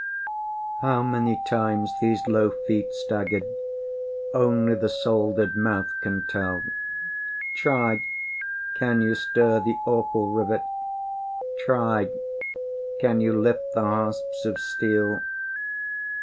How many times these low feet staggered, Only the soldered mouth can tell; Try! can you stir the awful rivet? Try! can you lift the hasps of steel?